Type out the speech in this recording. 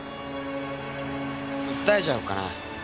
訴えちゃおうかな。